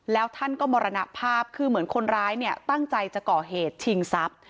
แล้วท่านก็มารรนะภาพคือเหมือนคนร้ายตั้งใจจะก่อเหตุชิงศัพท์